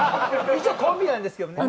一応コンビなんですけどね。